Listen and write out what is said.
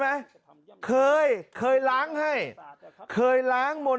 พระอาจารย์ออสบอกว่าอาการของคุณแป๋วผู้เสียหายคนนี้อาจจะเกิดจากหลายสิ่งประกอบกัน